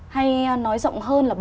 hay nói rộng hơn là bác sĩ